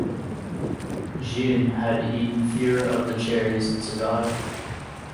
Jeanne had eaten fewer of the cherries and survived.